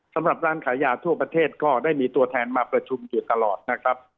สำหรับร้านขายยาทั่วประเทศก็ได้มีตัวแทนมาประชุมอยู่ตลอดนะครับ